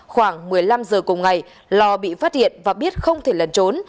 khoảng một mươi năm giờ cùng ngày lò bị phát hiện và biết không thể lần trốn